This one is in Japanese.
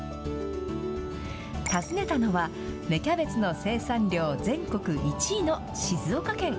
訪ねたのは、芽キャベツの生産量、全国１位の静岡県。